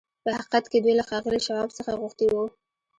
په حقيقت کې دوی له ښاغلي شواب څخه غوښتي وو.